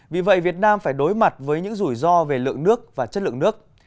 vì vậy việt nam phải đối mặt với những rủi ro về lượng nước và chất lượng nước